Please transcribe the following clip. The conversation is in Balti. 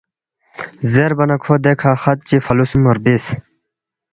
زیربا نہ کھو دیکھہ خط چی فُلو خسُوم ربس